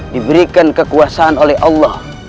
diberikan kekuasaan oleh allah